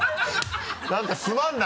何かすまんな！